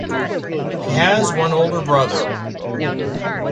He has one older brother.